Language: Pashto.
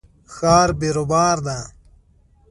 ښار بیروبار ده